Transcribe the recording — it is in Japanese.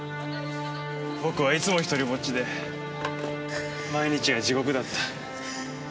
僕はいつもひとりぼっちで毎日が地獄だった。